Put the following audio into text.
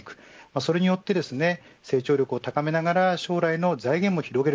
それによって成長力を高めながら将来の財源も広げる。